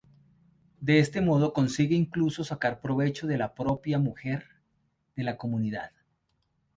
De este modo consigue incluso sacar provecho de la propia mujer de la comunidad.